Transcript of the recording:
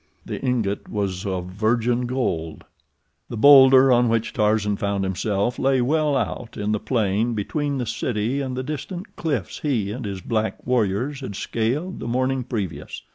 The ingot was of virgin gold. The bowlder on which Tarzan found himself lay well out in the plain between the city and the distant cliffs he and his black warriors had scaled the morning previous.